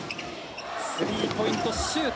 スリーポイントシュート。